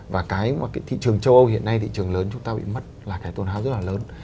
và cái mà cái thị trường châu âu hiện nay thị trường lớn chúng ta bị mất là cái tôn háo rất là lớn